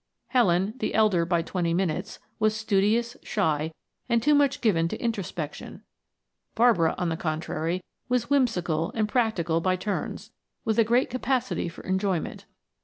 Helen, the elder by twenty minutes, was studious, shy, and too much given to introspection; Barbara, on the contrary, was whimsical and practical by turns, with a great capacity for enjoyment.